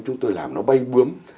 chúng tôi làm nó bay bướm